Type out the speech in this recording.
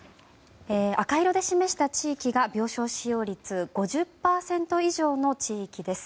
赤色で示した地域が病床使用率５０％以上の地域です。